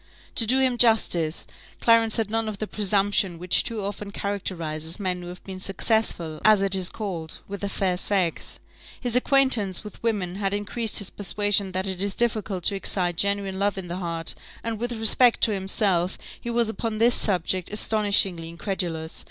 To do him justice, Clarence had none of the presumption which too often characterizes men who have been successful, as it is called, with the fair sex. His acquaintance with women had increased his persuasion that it is difficult to excite genuine love in the heart; and with respect to himself, he was upon this subject astonishingly incredulous.